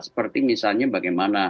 seperti misalnya bagaimana